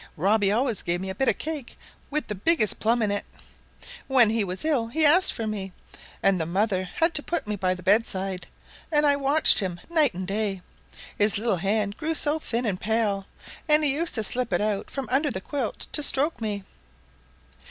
Robbie always gave me a bit of cake with the biggest plum in it. When he was ill he asked for me, and the mother had me put by the bedside, and I watched him night and day. His little hand grew so thin and pale, and he used to slip it out from under the quilt to stroke me."